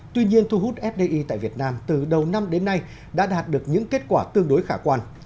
tuy nhiên thu hút fdi tại việt nam từ đầu năm đến nay đã đạt được những kết quả tương đối khả quan